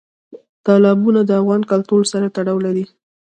تالابونه د افغان کلتور سره تړاو لري.